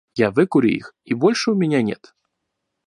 Я выкурю их, и больше у меня нет.